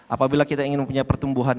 apabila kita ingin mempunyai pertumbuhan